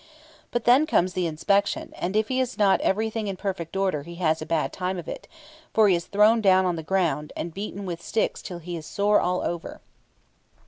But then comes the inspection, and if he has not everything in perfect order he has a bad time of it, for he is thrown down on the ground, and beaten with sticks till he is sore all over.